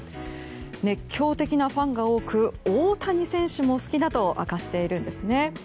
熱狂的なファンが多く大谷選手も好きだと明かしているんですね。